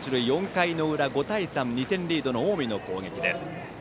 ４回の裏、５対３２点リードの近江の攻撃です。